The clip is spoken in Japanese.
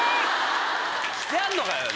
してあんのかよ